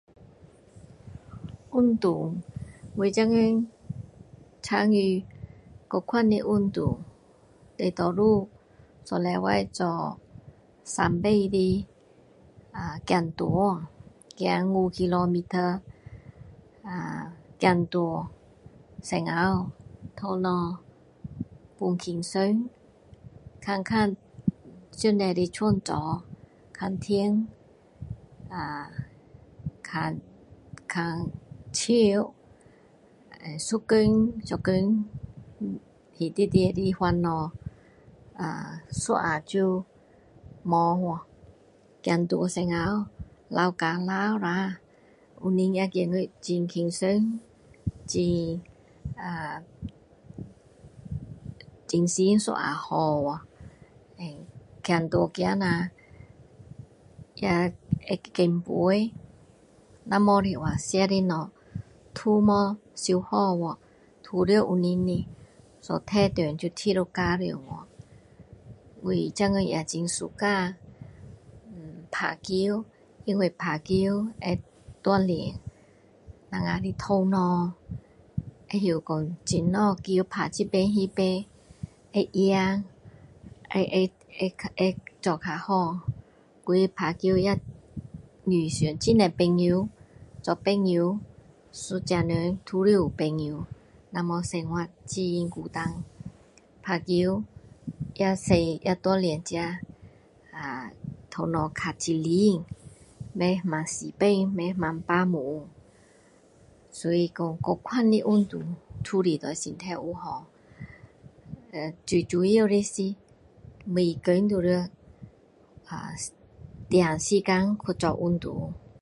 运动我现在参与各种的运动就常的时候三次的呃走路走5 kilometer 呃 走路到处头放轻松看看上帝的创作看天呃看树一天做工里面的烦恼一下不见去走路的时候流汗流一下身体也觉得很轻松很精神一下好去。走路走下也可以减肥如果没有的话吃的东西都没有消化去都在身上的所以体重就一直加上去我现在也很suka 呃打球因为打球会锻炼我们的头脑会懂球怎样打这边那边会赢会会会做比较好而且打球会遇到很多朋友做朋友一个人都要有朋友不然生活很孤单打球也锻炼自己头脑比较精灵不会那么死板不会那么迟顿所以说各种的运动都是对身体有好最主要的是每天都要定时间去做运动